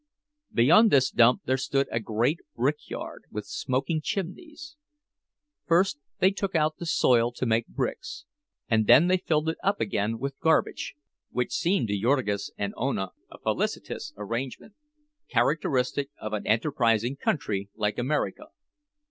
Beyond this dump there stood a great brickyard, with smoking chimneys. First they took out the soil to make bricks, and then they filled it up again with garbage, which seemed to Jurgis and Ona a felicitous arrangement, characteristic of an enterprising country like America.